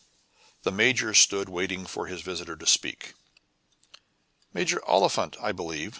The major stood waiting for his visitor to speak. "Major Oliphant, I believe?"